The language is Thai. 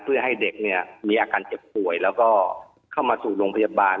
เพื่อให้เด็กเนี่ยมีอาการเจ็บป่วยแล้วก็เข้ามาสู่โรงพยาบาล